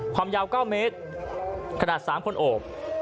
ความยาว๙เมตรขนาด๓คนโอบ